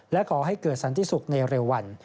และขอให้เกิดสันติสุขในเร็ววัน